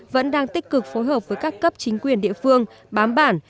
vẫn đang tích cực phối hợp với các cấp chính quyền địa phương bám bản